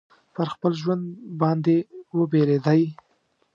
پر خپل ژوند باندي وبېرېدی.